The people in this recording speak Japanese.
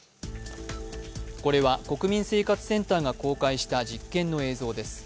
これは国民生活センターが公開した実験の映像です。